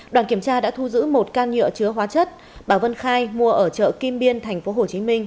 đoàn kiểm tra đã thu giữ một can nhựa chứa hóa chất bà vân khai mua ở chợ kim biên tp hcm